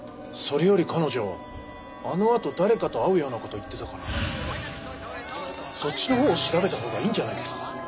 それより彼女あのあと誰かと会うような事を言ってたからそっちのほうを調べたほうがいいんじゃないですか？